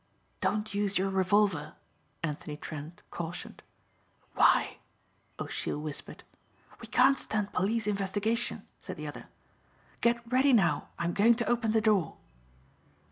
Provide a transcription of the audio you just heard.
"Don't use your revolver," Anthony Trent cautioned. "Why?" O'Sheill whispered. "We can't stand police investigation," said the other. "Get ready now I'm going to open the door."